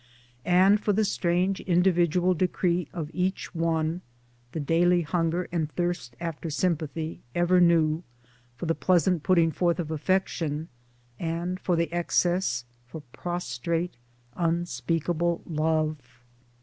And for the strange individual decree of each one, The daily hunger and thirst after sympathy, ever new, for the pleasant putting forth of affection, and for the excess — for prostrate unspeakable love